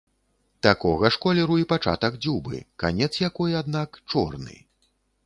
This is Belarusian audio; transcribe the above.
Такога ж колеру і пачатак дзюбы, канец якой, аднак, чорны.